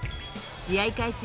試合開始